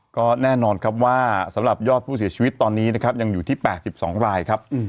ก็แน่นอนครับว่าสำหรับยอดผู้เสียชีวิตตอนนี้นะครับยังอยู่ที่๘๒รายครับ